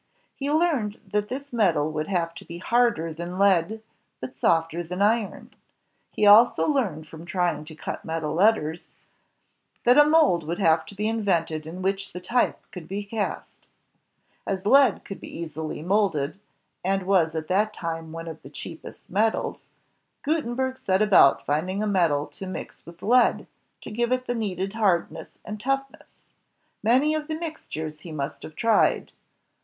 He learned that this metal would have to be harder than lead, but softer than iron. He also learned from trying to cut metal letters, that a mold igO INVENTIONS OF PRINTING AND COMMUNICATION would have to be invented in which the type could be cast. As lead could be easily molded, and was at that time one of the cheapest metals, Gutenberg set about finding a metal to mix with lead, to give it the needed hardness and toughness. Many are the mixtures he must have tried.